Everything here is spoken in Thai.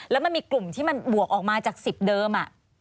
แล้วมันมีกลุ่มที่มันบวกออกมาจาก๑๐เดิม